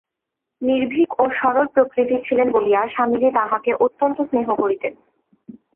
নির্ভীক ও সরল-প্রকৃতি ছিলেন বলিয়া স্বামীজী তাঁহাকে অত্যন্ত স্নেহ করিতেন।